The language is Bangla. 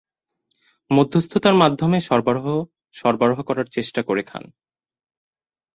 মধ্যস্থতার মাধ্যমে সরবরাহ সরবরাহ করার চেষ্টা করে খান।